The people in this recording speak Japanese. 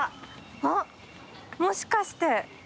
あっもしかして。